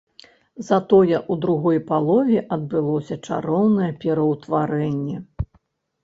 Затое ў другой палове адбылося чароўнае пераўтварэнне.